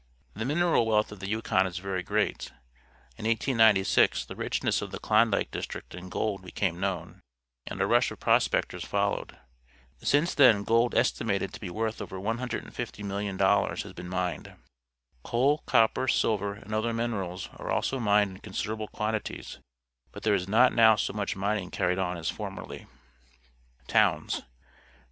The minera l wealt h of the Yukon isj^ery great. In 1896 the richness of the Klondike district in gold became known, and a rush of prospectors followed. Since then gold es timated to be worth over $150 ,000.000 has been mined. Coal, copper, silver, and other minerals are also mined in considerable quantities, but there is not now so much mining carried on as formerly. Towns.